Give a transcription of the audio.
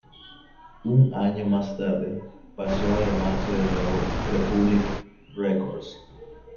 Un año más tarde, pasó a llamarse de nuevo Republic Records.